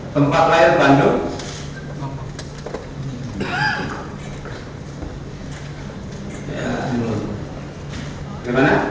tempat lair bandung